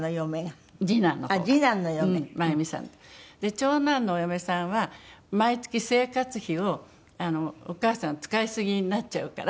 長男のお嫁さんは毎月生活費を「お義母さん使いすぎになっちゃうから」。